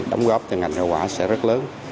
đóng góp cho ngành rau quả sẽ rất lớn